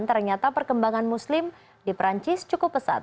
ternyata perkembangan muslim di perancis cukup pesat